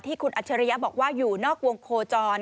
ที่คุณอัชริยะบอกว่าอยู่นอกวงโคจร